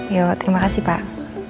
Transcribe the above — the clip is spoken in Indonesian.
yuk terima kasih pak